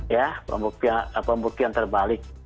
ya pembuktian terbalik